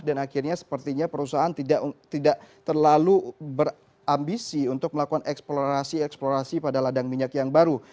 dan akhirnya sepertinya perusahaan tidak terlalu berambisi untuk melakukan eksplorasi eksplorasi pada ladang minyak yang baru